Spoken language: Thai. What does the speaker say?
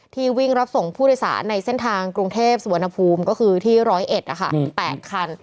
ที่วิ่งรับส่งผู้โดยสารในเส้นทางกรุงเทพฯสวนภูมิก็คือที่๑๐๑อ่ะค่ะ๘คัน